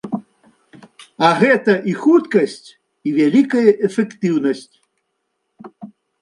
А гэта і хуткасць, і вялікая эфектыўнасць.